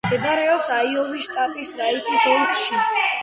მდებარეობს აიოვის შტატის რაიტის ოლქში.